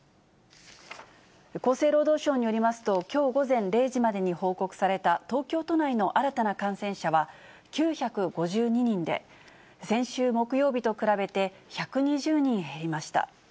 厚生労働省によりますと、きょう午前０時までに報告された東京都内の新たな感染者は、９５２人で、先週木曜日と比べて１２０人減りました。